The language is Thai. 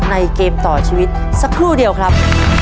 เกมต่อชีวิตสักครู่เดียวครับ